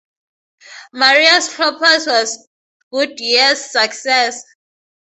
Marius Kloppers was Goodyear's successor.